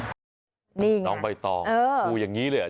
นี่ไงน้องบ่อยต่อเออกูอย่างงี้เลยอ่ะ